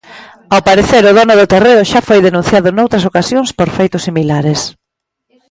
Ao parecer o dono do terreo xa foi denunciado noutras ocasións por feitos similares.